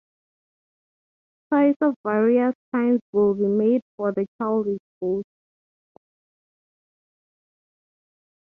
Toys of various kinds will be made for the childish ghost.